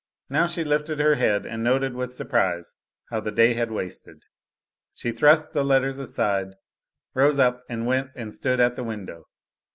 Now she lifted her head and noted with surprise how the day had wasted. She thrust the letters aside, rose up and went and stood at the window.